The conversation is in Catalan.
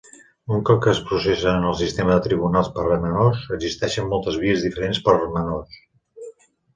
Un cop que es processa en el sistema de tribunals per a menors, existeixen moltes vies diferents per als menors.